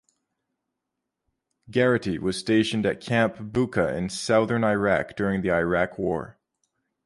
Garrity was stationed at Camp Bucca in southern Iraq during the Iraq War.